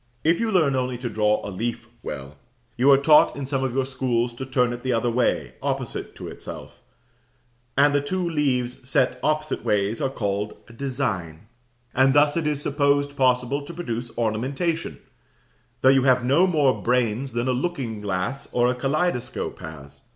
If you learn only to draw a leaf well, you are taught in some of our schools to turn it the other way, opposite to itself; and the two leaves set opposite ways are called "a design:" and thus it is supposed possible to produce ornamentation, though you have no more brains than a looking glass or a kaleidoscope has.